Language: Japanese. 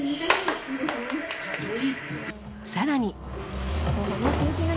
更に。